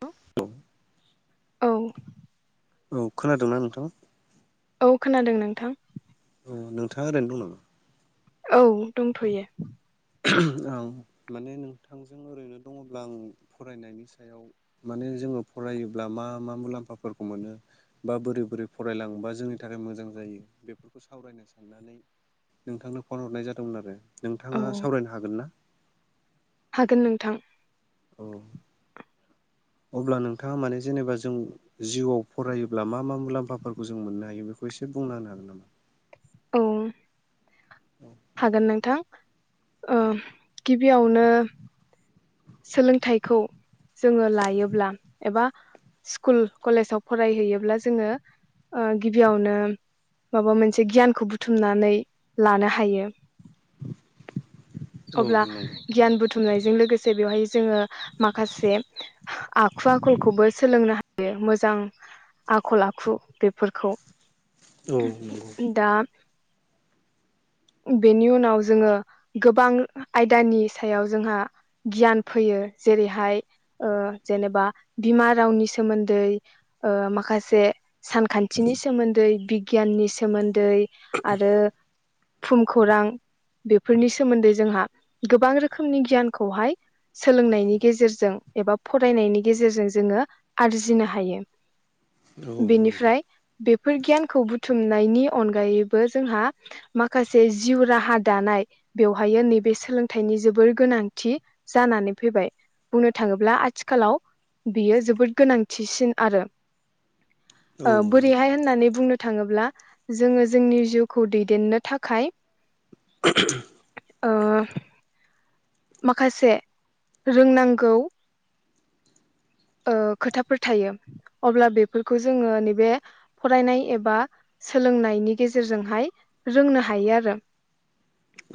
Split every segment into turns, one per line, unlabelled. [unintelligible] औ
औ खोनादोंना नोंथां?
औ खोनादों नोंथां।
अ नोंथाङा ओरैनो दं नामा?
औ दंथ'यो।
औ माने नोंथांजों ओरैनो दङब्ला आं फरायनायनि सायाव माने जोङो फरायोब्ला मा मा मुलाम्फाफोरखौ मोनो बा बोरै बोरै फरायलाङोबा जोंनि थाखाय मोजां जायो बेफोरखौ सावरायनो साननानै नोंथांनो फन हरनाय जादोंमोन आरो।
औ
नोंथाङा हागोना?
हागोन नोंथां।
अब्ला नोंथाङा माने जेनेबा जों जिउआव फरायोब्ला मा मा मुलाम्फाफोरखौ जों मोननो हायो बेखौ एसे बुंना होनो हागोन नामा?
औ। हागोन नोंथां। ओ गिबियावनो सोलोंथाइखौ जोङो लायोब्ला एबा स्कुल कलेजाव फरायहैयोब्ला जोङो गिबियावनो माबा मोनसे गियानखौ बुथुमनानै लानो हायो।
औ
अब्ला
नंगौ
गियान बुथुमनाय जा बेजों लोगोसे बेवहाय जोङो माखासे आखु आखलखौबो सोलोंनो हायो मोजां आखल आखु बेफोरखौ।
औ नंगौ
दा बेनि उनाव जोङो गोबां आयदानि सायाव जोंहा गियान फैयो जेरैहाय ओ जेनेबा बिमा रावनि सोमोन्दै ओ माखासे सानखान्थिनि सोमोन्दै गियाननि सोमोन्दै दै आरो भुम खौरां बेफोरनि सोमोन्दै जोंहा गोबां रोखोमनि गियानखौहाय सोलोंनायनि गेजेरजों एबा फरायनायनि गेजेरजों जोङो आरजिनो हायो।
औ नंगौ
बेनिफ्राय बेफोर गियानखौ बुथुमनायनि अनगायैबो जोंहा माखासे जिउ राहा दानाय बेवहाय नैबे सोलोंथाइनि जोबोर गोनांथि। जानानै फैबाय बुंनो थाङोब्ला आथिखालाव बियो जोबोद गोनांथिसिन आरो
औ
ओ
नंगौ
बोरैहाय होननानै बुंनो थाङोब्ला जोङो जोंनि जिउखौ दैदेननो थाखाय
[inaudible]
ओ मा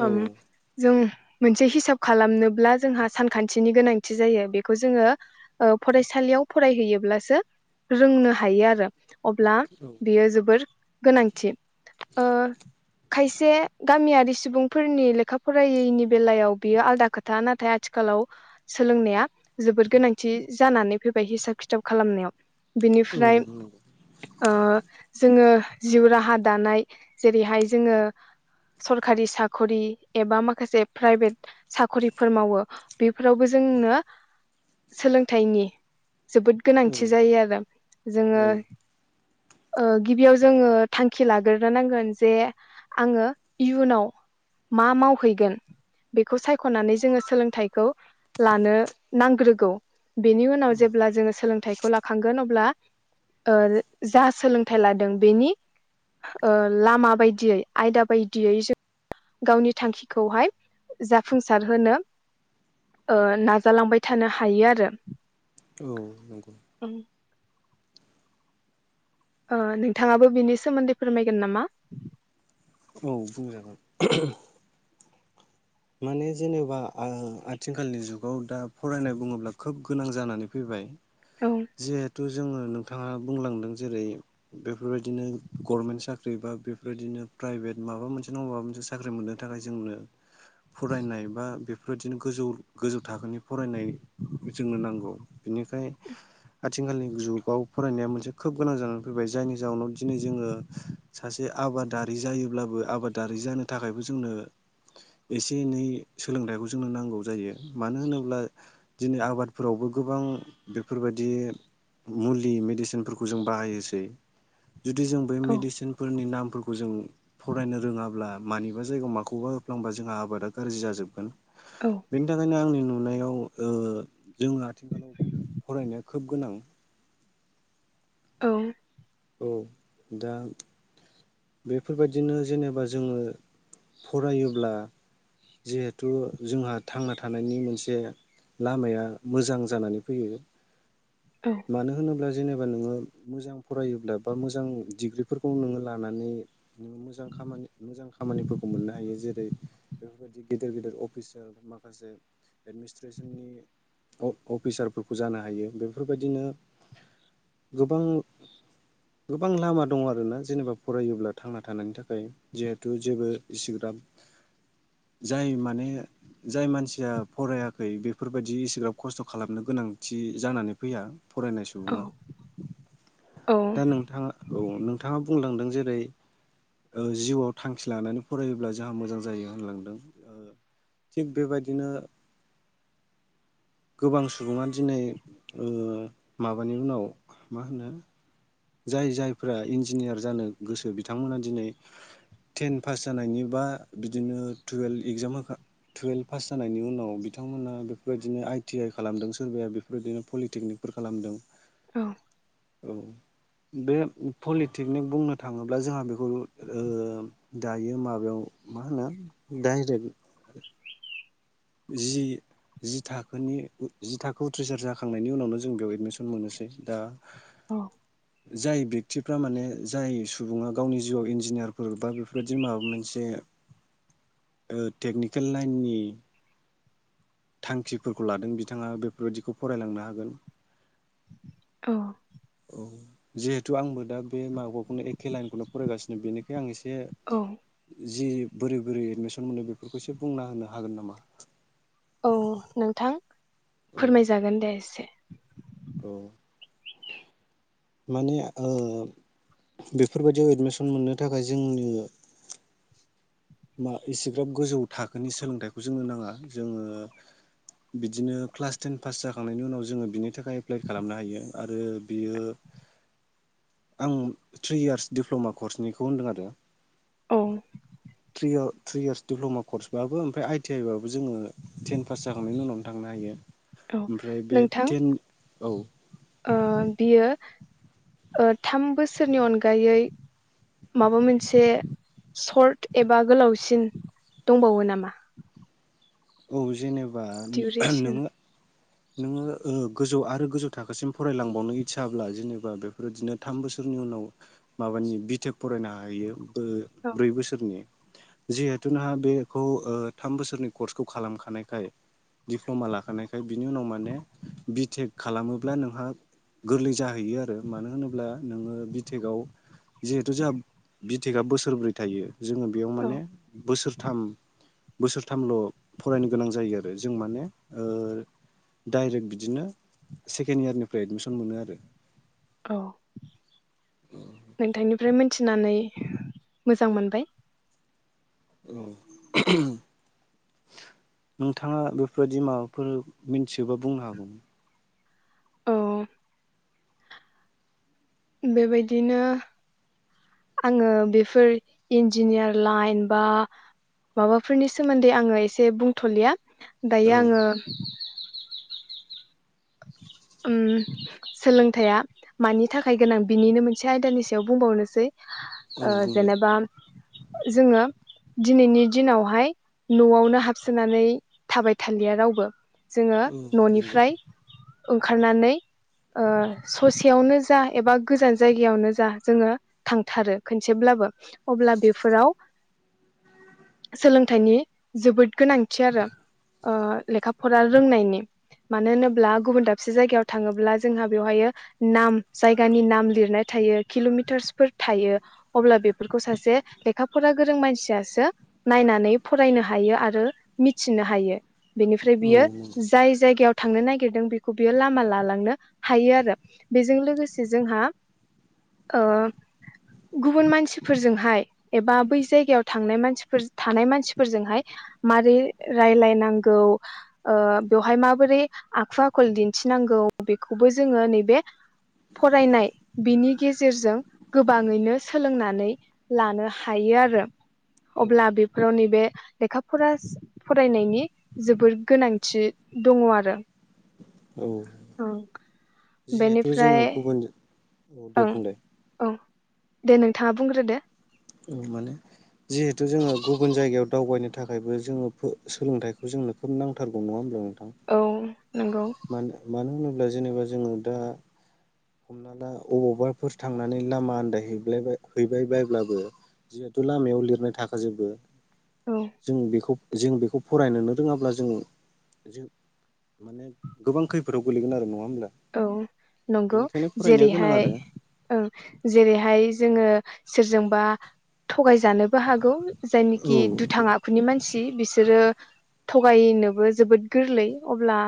ओम जों। मोनसे हिसाब खालामनोब्ला जोंहा सानखान्थिनि गोनांथि जायो बेखौ जोङो फरायसालियाव फरायहैयोब्लासो रोंनो हायो आरो अब्ला
औ
बेयो जोबोर गोनांथि ओ‌ खायसे गामियारि सुबुंफोरनि लेखा फरायैनि बेलायाव बेयो आलदा खोथा नाथाय आथिखालाव सोलोंनाया जोबोद गोनांथि जानानै फैबाय हिसाब खिथाब खालामनायाव
औ
बिनिफ्राय ओ जोङो जिउ राहा दानाय जेरैहाय जोङो सरखारि साख'रि एबा माखासे प्राइभेट साख्रिफोर मावो बेफोरावबो जोंनो सोलोंथाइनि जोबोद
औ
गोनांथि जायो आरो जोङो गिबियाव जोङो थांखि लाग्रोनांगोन जे आङो इयुनाव मा मावहैगोन बेखौ सायख'नानै जोङो सोलोंथाइखौ लानो नांग्रोगौ बेनि उनाव जेब्ला जोङो सोलोंथाइखौ लाखांगोन अब्ला ओ जा सोलोंथाइ लादों बेनि लामा बायदियै आयदा बायदियै जों गावनि थांखिखौहाय जाफुंसारहोनो ओ नाजालांबाय थानो हायो आरो।
औ नंगौ।
ओ नोंथाङाबो बिनि सोमोन्दै फोरमायगोन नामा?
औ बुंजागोन। माने जेनेबा आं आथिखालनि जुगाव दा फरायनाय बुङोब्ला खोब गोनां जानानै फैबाय।
औ
जिहेथु जोङो नों थाङा बुंलांदों जेरै बेफोरबायदिनो गरमेन्ट साख्रि बा बेफोरबायदिनो प्राइभेट माबा मोनसे नङा माबा मोनसे साख्रि मोननो थाखाय जोंनो फरायनाय बा बेफोरदिनो गोजौ गोजौ थाखोनि फरायनाय जोंनो नांगौ बिनिखाय आथिखालनि जुगाव फरायनाया मोनसे खोब गोनां जानानै फैबाय जायनि जाहोनाव दिनै जोङो सासे आबादारि जायोब्लाबो आबादारि जानो थाखायबो जोंनो एसे एनै सोलोंथाइखौ जोंनो नांगौ जायो मानो होनोब्ला दिनै आबादफोरावबो गोबां बेफोरबायदि मुलि मेडिसिनफोरखौ जों बाहायोसै। जुदि जों बे
औ
मेडिसिनफोरनि नाम फोरखौ जों फरायनो रोङाब्ला मानिबा जायगायाव माखौबा होफ्लांबा। जोंहा आबादा गाज्रि जाजोबगोन।
औ
बेनि थाखायनो आंनि नुनाय याव ओ जोङो आथिखालाव फरायनाया खोब गोनां।
औ।
औ दा बेफोरबायदिनो जेनेबा जोङो फरायोब्ला जिहेथु जोंहा थांना थानायनि मोनसे लामाया मोजां जानानै फैयो।
औ
मानो होनोब्ला जेनेबा नोङो मोजां फरायोब्ला बा मोजां डिग्रिफोरखौ नोङो लानानै मोजां खामानि मोजां खामानिफोरखौ मोननो हायो जेरै बेफोरबायदि गेदेर गेदेर अफिसार माखासे एडमिनिस्ट्रेसननि अफिसारफोरखौ जानो हायो बे फोरबायदिनो गोबां गोबां लामा दङ आरोना जेनेबा फरायोब्ला थांना थानायनि थाखाय जिहेथु जेबो इसिग्राब जाय माने जाय मानसिया फरायाखै बेफोरबायदि इसिग्राब खस्थ खालामनो गोनांथि जानानै फैया। फरायनाय
औ
सुबुङा दा
औ
नोंथाङा औ नोंथाङा बुंलांदों जेरै ओ जिउआव थांखि लानानै फरायोब्ला जोंहा मोजां जायो होनलांदों ओ थिग बेबायदिनो गोबां सुबुङा दिनै ओ माबानि उनाव मा होनो जाय जायफ्रा इन्जिनियार जानो गोसो बिथांमोना दिनै टेन पास जानायनि बा बिदिनो टुयेल्भ इगजाम होखा टुयेल्भ पास जानायनि उनाव बिथांमोना बेफोरबायदिनो आइ टि आइ खालामदों सोरबाया बेफोरबायदिनो पलिटेकनिकफोर खालामदों।
औ।
औ। बे पलिटेकनिक बुंनो थाङोब्ला जोंहा बेखौ ओ दायो माबायाव मा होनो डाइरेक्ट। जि जि थाखोनि जि थाखोआव उथ्रिसार जाखांनायनि उनावनो जों बेयाव एदमिसन मोनोसै दा।
औ
जाय बे तिफ्रा माने जाय सुबुङा गावनि जिउआव इन्जिनियारफोर बा बेफोरबायदि माबा मोनसे ओ टेकनिकेल लाइननि थांखिफोरखौ लादों बिथाङा बेफोरबायदिखौ फरायलांनो हागोन।
औ।
औ जिहेथु आंबो दा बे माबाखौनो एखे लाइनखौनो फरायगासिनो बेनिखाय आं एसे
औ
[unintelligible] जि बोरै बोरै एडमिसन मोनो बेफोरखौ एसे बुंना होनो हागोन नामा।
औ नोंथां।
औ
फोरमायजागोन दे एसे
माने ओ बेफोरबायदियाव एडमिसन मोननो थाखाय जोंनो मा एसेग्राब गोजौ थाखोनि सोलोंथाइखौ जोंनो नाङा जोङो बिदिनो क्लास टेन पास जाखांनायनि उनाव जोङो बिनि थाखाय एप्लाइ खालामनो हायो आरो बियो आं थ्रि यार्स दिप्लमा कर्सनिखौ होनदों आरो
औ
थ्रि इयार्स दिप्लमा कर्स बाबो ओमफ्राय आइ-टि-आइ बाबो जोङो टेन पास जाखांनायनि उनावनो थांनो हायो।
औ
ओमफ्राय बे
नोंथां।
टेन औ
ओ बियो ओ थाम बोसोरनि अनगायै माबा मोनसे सर्ट एबा गोलावसिन दंबावो नामा।
औ जेने
डिउरेसन
[unintelligible] नोङो ओ गोजौ आरो गोजौ थाखोसिम फरायलांबावनो इसाब्ला जेनेबा बेफोरदिनो थाम बोसोरनि उनाव माबानि बिटेक फरायनो हायो ओ
औ
ब्रै बोसोरनि जिहेथु नोंहा बेखौ ओ थाम बोसोरनि कर्स खौ खालामखानायखाय दिप्ल'मा लाखानायखाय बिनि उनाव माने बिटेक खालामोब्ला नोंहा गोरलै जाहैयो आरो मानो होनोब्ला नोङो बिटेकाव जिहेथु जोंहा बिटेकआ बोसोरब्रै थायो जोङो बेयाव
औ
माने बोसोर थाम बोसोरथामल' फरायनो गोनां जायो आरो जों माने डाइरेक्ट बिदिनो सेकेण्ड इयारनिफ्राय एडमिसन मोनो आरो
औ नोंथांनिफ्राय मि थिनानै मोजां मोनबाय
औ नोंथाङा बेफोरबायादि माबाफोर मिनथियोबा बुंनो हागौमोन
औ बेबायदिनो आङो बेफोर इन्जिनियार लाइन बा माबाफोरनि सोमोन्दै आङो एसे बुंथ'लिया दायो
औ
आङो उम सोलोंथाया मानि थाखाय गोनां बिनिनो मोनसे आयदानि सायाव बुंबावनोसै
औ बुंजायो
जेनेबा जोङो दिनैनि दिनावहाय न'आवनो हाबसोनानै थाबाय थालिया रावबो जोङो
औ नंगौ
न'निफ्राय ओंखारनानै ओ ससेयावनो जा एबा गोजान जायगायावनो जा जोङो थांथारो खनसेब्लाबो अब्ला बेफोराव सोलोंथाइनि जोबोद गोनांथि आरो ओ लेखा फरा रोंनायनि मानो होनोब्ला गुबुन दाबसे जायगायाव थाङोब्ला जोंहा बेवहाय नाम जायगानि नाम लिरनाय थायो किल'मिटार्सफोर थायो अब्ला बेफोरखौ सासे लेखा फरा गोरों मानसियासो नायनानै फरायनो हायो आरो मिथिनो हायो बेनिफ्राय
औ
बियो
नंगौ
जाय जायगायाव थांनो नागिरदों बे खौ बियो लामा लालांनो हायो आरो बेजों लोगोसे जोंहा ओ गुबुन मानसिफोरजोंहाय एबा बै जायगायाव थांनाय मानसिफोर थानाय मानसिफोरजोंहाय मारै रायलायनांगौ बेवहाय ओ माबोरै आखु आखल दिन्थिनांगौ बेखौबो जोङो नैबे फरायनाय बिनि गेजेरजों गोबाङैनो सोलोंनानै लानो हायो आरो
औ
अब्ला बेफोराव नैबे लेखा फरा फरायनायनि जोबोर गोनांथि दङ आरो
औ जिहेथु जोङो
बेनिफ्राय
गुबुन औ दे
ओं
बुंलाय
औ दे नोंथाङा बुंग्रो दो
माने जिहेथु जोङो गुबुन जायगायाव दावबायनो थाखायबो जोङो सोलोंथाइखौ जोंनो खोब नांथारगौ नङा होमब्ला नोंथां
औ नंगौ
मानो मानो होनो जेनेबा जोङो दा हमना ला अबावबाफोर थांनानै लामा आन्दायहैयबाय हैबायबायब्लाबो जिहेथु लामायाव लिरनाय थाखाजोबो
औ
जों बेखौ जों बेखौ फरायनोनो रोङाब्ला जों जों माने गोबां खैफोदाव गोलैगोन आरो नङा होमब्ला
औ नं नंगौ
बिनिखायनो फरायनाया गोनां
जेरैहाय
आरो
ओं जेरैहाय जोङो सोरजोंबा थगायजानोबो हागौ
औ
जायनिखि दुथां आखुनि मानसि बिसोरो थगायनोबो जोबोद गोरलै अब्ला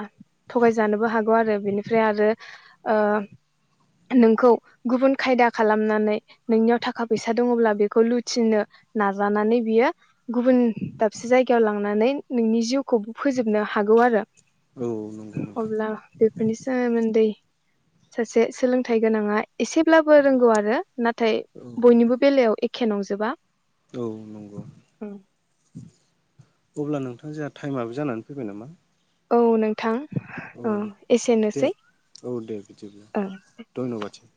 थगायजानोबो हागौ आरो बेनि ओमफ्राय आरो ओ नोंखौ गुबुन खायदा खालामनानै नोंनियाव थाखा फैसा दङब्ला बेखौ लुथिनो नाजानानै बियो गुबुन दाबसे जायगायाव लांनानै नोंनि जिउखौबो फोजोबनो हागौ आरो
औ नंगौ नोंथां
अब्ला बेफोरनिस सोमोन्दै सासे सोलोंथाइ गोनाङा एसेब्लाबो रोंगौ आरो नाथाय
औ
बयनिबो बेलायाव एख खे नंजोबा
औ नंगौ अब्ला नोंथां जोंहा टाइमाबो जानानै फैबाय नामा?
औ नोंथां
औ दे औ दे बिदि
ओ
धन्बाद सै